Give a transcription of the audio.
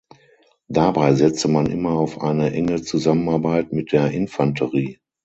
Dabei setzte man immer auf eine enge Zusammenarbeit mit der Infanterie.